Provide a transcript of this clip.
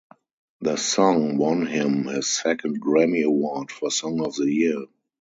The song won him his second Grammy Award for Song of the Year.